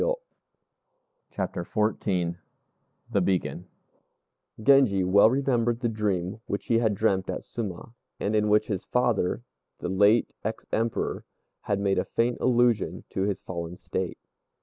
] CHAPTER XIV THE BEACON Genji well remembered the dream which he had dreamt at Suma, and in which his father, the late ex Emperor, had made a faint allusion to his fallen state.